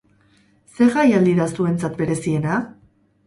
Zer jaialdi da zuentzat bereziena?